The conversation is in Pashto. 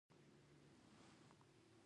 کاناډا یو سوله ییز هیواد دی.